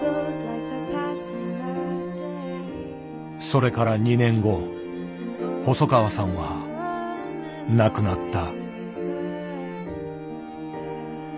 それから２年後細川さんは亡くなった。